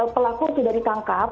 pelaku sudah ditangkap